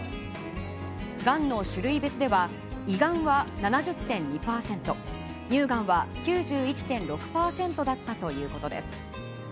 がんの種類別では胃がんは７０．２％、乳がんは９１．６％だったということです。